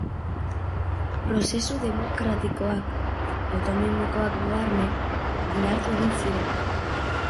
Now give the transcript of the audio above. Prozesu demokratikoak, autonomikoak barne, indartu egin ziren.